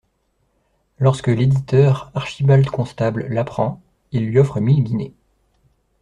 Lorsque l'éditeur Archibald Constable l'apprend, il lui offre mille guinées.